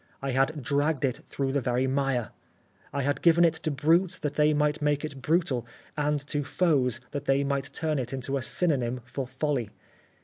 I had dragged it through the very mire. I had given it to brutes that they might make it brutal, and to foes that they might turn it into a synonym for folly.